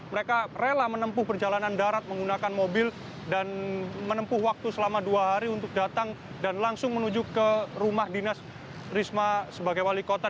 mereka rela menempuh perjalanan darat menggunakan mobil dan menempuh waktu selama dua hari untuk datang dan langsung menuju ke rumah dinas risma sebagai wali kota